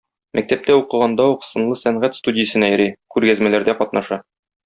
Мәктәптә укыганда ук сынлы сәнгать студиясенә йөри, күргәзмәләрдә катнаша.